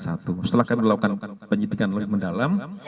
setelah kami lakukan penyidikan lebih mendalam